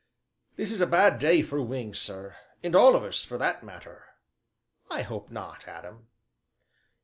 "This is a bad day for Wings, sir and all of us, for that matter." "I hope not, Adam."